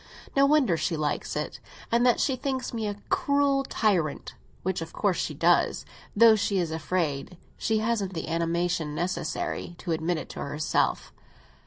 No wonder she likes it, and that she thinks me a cruel tyrant; which of course she does, though she is afraid—she hasn't the animation necessary—to admit it to herself.